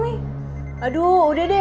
aduh udah dia tarik tarik popi